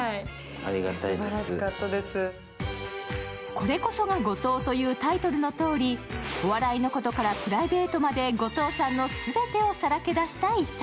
「これこそが後藤」というタイトルのとおりお笑いのことからプライベートまで後藤さんの全てをさらけ出した一冊。